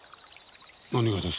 何がです？